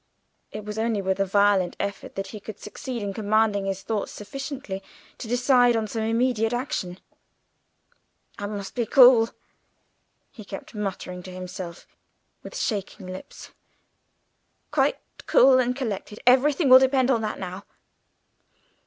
It was only with a violent effort that he could succeed in commanding his thoughts sufficiently to decide on some immediate action. "I must be cool," he kept muttering to himself, with shaking lips, "quite cool and collected. Everything will depend on that now!"